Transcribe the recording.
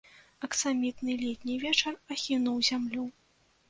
Аксамітны летні вечар ахінуў зямлю.